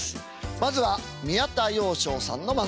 まずは宮田陽・昇さんの漫才。